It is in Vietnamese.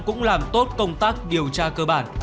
cũng làm tốt công tác điều tra cơ bản